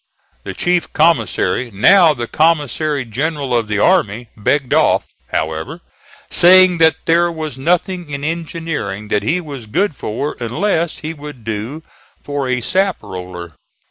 The chief commissary, now the Commissary General of the Army, begged off, however, saying that there was nothing in engineering that he was good for unless he would do for a sap roller.